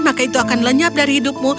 maka itu akan lenyap dari hidupmu